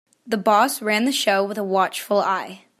The boss ran the show with a watchful eye.